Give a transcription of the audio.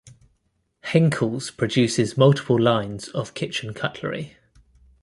Henckels produces multiple lines of kitchen cutlery.